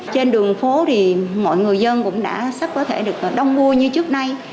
trên đường phố thì mọi người dân cũng đã sắp có thể được đông mua như trước nay